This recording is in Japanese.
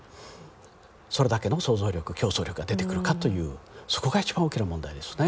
それだけの創造力競争力が出てくるかというそこが一番大きな問題ですね。